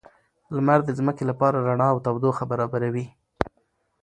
لمر د ځمکې لپاره رڼا او تودوخه برابروي